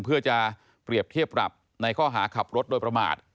เพื่อจะเปรียบเทียบปรับในข้อหาขับรถโดยประมาท